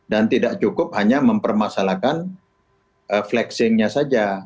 dan tidak cukup hanya mempermasalahkan flexing nya saja